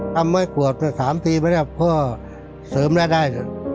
ทำให้กวดก็สามปีไหมครับเพราะเสริมได้